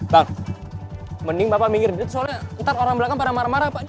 bang mending bapak minggir duit soalnya ntar orang belakang pada marah marah pak